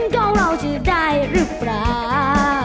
ของเราจะได้หรือเปล่า